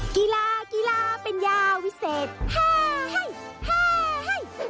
กีฬากีฬาเป็นยาววิเศษฮ่าฮ่าฮ่า